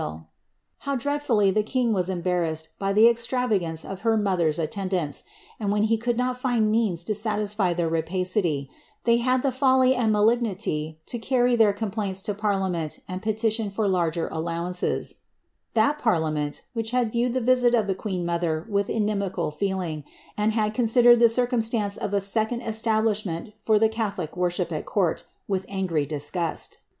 50 dame de MotleTille, ^ how dreadfully the king was embarrassed by the fxinvagance of her mother's attendants, and when he could not find mesne to satisfy their rapacity, they had the folly and malignity to carry their comi^iata to parliament and petition for larger allowances'^ — that parliament, which had viewed the visit of the queen mother with inimif cal feeling, and had considered the circumstance of a second establish ment for the catholic worship at court with angry disgust.